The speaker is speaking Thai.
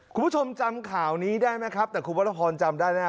คุณผู้ชมจำข่าวนี้ได้ไหมครับแต่คุณวรพรจำได้ไหมครับ